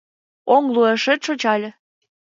Оҥ луэшет шочале: